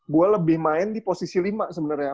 gue lebih main di posisi lima sebenarnya